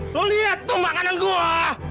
lu lihat tuh makanan gua